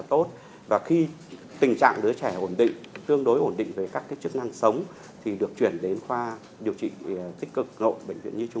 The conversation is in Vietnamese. thì tình trạng đứa trẻ đã hôn mê